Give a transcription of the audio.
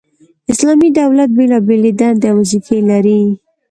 اسلامي دولت بيلابېلي دندي او وظيفي لري،